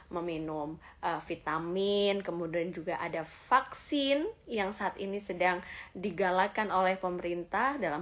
meminum vitamin kemudian juga ada vaksin yang saat ini sedang digalakan oleh pemerintah dalam